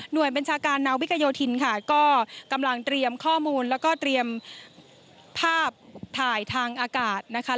โดยบัญชาการนาวิกโยธินค่ะก็กำลังเตรียมข้อมูลแล้วก็เตรียมภาพถ่ายทางอากาศนะคะ